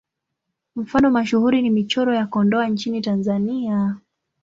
Mfano mashuhuri ni Michoro ya Kondoa nchini Tanzania.